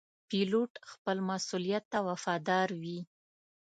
پیلوټ خپل مسؤولیت ته وفادار وي.